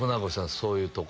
そういうとこ。